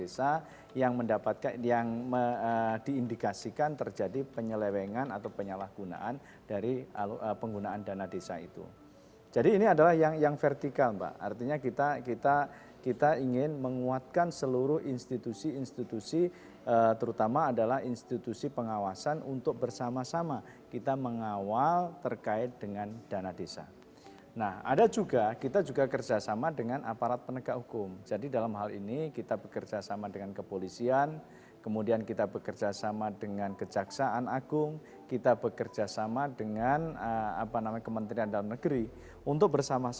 sistem keuangan desa yang dikembangkan oleh bpkp